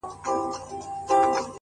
لکه سايه راپورې ـ پورې مه ځه!